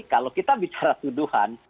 kalau kita bicara tuduhan